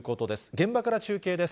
現場から中継です。